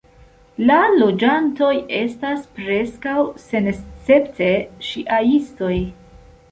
La loĝantoj estas preskaŭ senescepte ŝijaistoj.